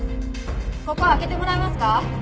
ここ開けてもらえますか？